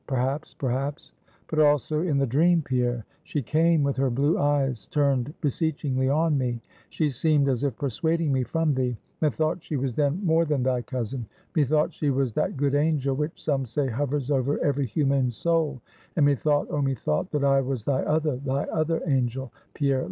Perhaps, perhaps; but also, in the dream, Pierre; she came, with her blue eyes turned beseechingly on me; she seemed as if persuading me from thee; methought she was then more than thy cousin; methought she was that good angel, which some say, hovers over every human soul; and methought oh, methought that I was thy other, thy other angel, Pierre.